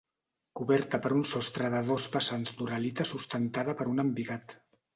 Coberta per un sostre de dos vessants d'uralita sustentada per un embigat.